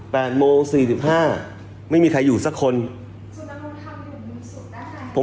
แปดโมงสี่สิบห้าไม่มีใครอยู่สักคนสุนมรงธรรมอยู่ในสุนมรงธรรม